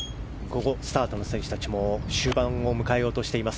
スタートの選手たちも終盤を迎えようとしています。